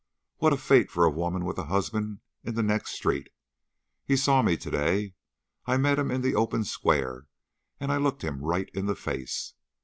What a fate for a woman with a husband in the next street! He saw me to day. I met him in the open square, and I looked him right in the face.